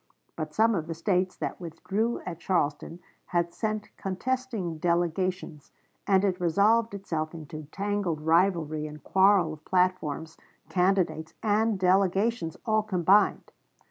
But some of the States that withdrew at Charleston had sent contesting delegations, and it resolved itself into tangled rivalry and quarrel of platforms, candidates, and delegations all combined.